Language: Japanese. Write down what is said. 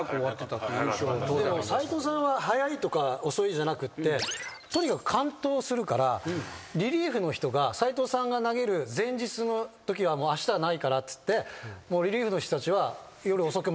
斎藤さんは早いとか遅いじゃなくてとにかく完投するからリリーフの人が斎藤さんが投げる前日のときはもうあしたはないからって。